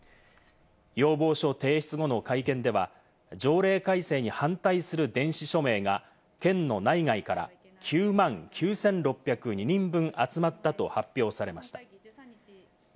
要望書提出後の会見では、条例改正に反対する電子署名が県の内外から９万９６０２人分集まったと発表されました。